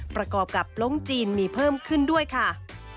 ประกอบกับลงจีนมีเพิ่มขึ้นด้วยค่ะ